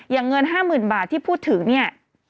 เงิน๕๐๐๐บาทที่พูดถึงเนี่ย